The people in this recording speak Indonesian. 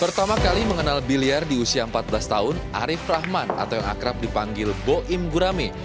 pertama kali mengenal biliar di usia empat belas tahun arief rahman atau yang akrab dipanggil boim gurame